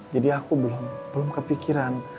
jadi aku belum kepikiran